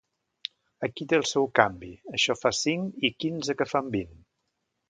Aquí té el seu canvi: això fan cinc, i quinze que fan vint.